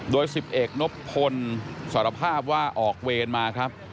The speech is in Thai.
โดยสิบเอกนบพลสอรภาพว่าออกเวรมาครับ